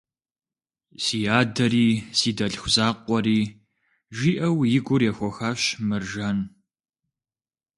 Си адэри, си дэлъху закъуэри, – жиӏэу, и гур ехуэхащ Мэржан.